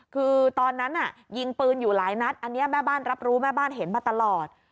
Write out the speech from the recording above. คือตอนนั้นยิงปืนอยู่หลายนัดอันนี้แม่บ้านรับรู้แม่บ้านเห็นมาตลอด